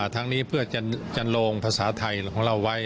ทั้งนี้เพื่อจะลงภาษาไทยของเราไว้